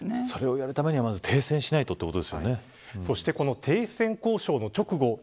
それをやるためには、まず停戦をしないと停戦交渉の直後